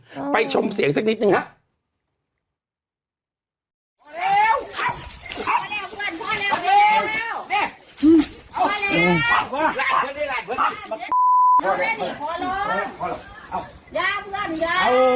ไปชมเสียงสักนิดหนึ่งฮะ